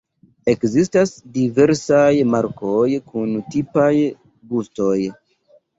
Ekzistas diversaj markoj kun tipaj gustoj.